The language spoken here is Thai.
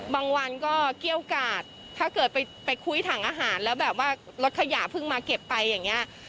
บางวันก็เกี้ยวกาดถ้าเกิดไปคุ้ยถังอาหารแล้วแบบว่ารถขยะเพิ่งมาเก็บไปอย่างนี้